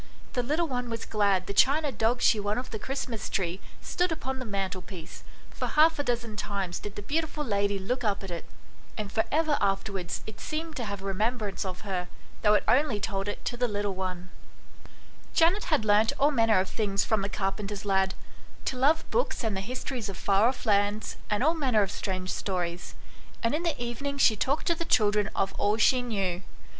The little one was glad the china dog she won off the Christmas tree stood upon the mantelpiece, for half a dozen times did the beautiful lady look up at it ; and for ever afterwards it seemed to have a remembrance of her, though it only told it to the little one. 96 ANYHOW STOEIES. [STORY Janet had learnt all manner of things from the carpenter's lad to love books and the histories of far off lands, and all manner of strange stories ; and in the evening she talked to the children of all she knew.